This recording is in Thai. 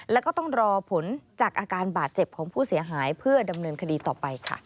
แล้วก็ต้องรอผลจากอาการบาดเจ็บของผู้เสียหายเพื่อดำเนินคดีต่อไปค่ะ